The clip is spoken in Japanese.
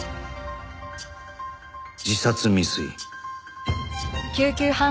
自殺未遂